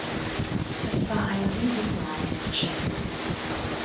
Es war ein risikoreiches Geschäft.